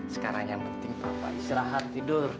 sekarang yang penting istirahat tidur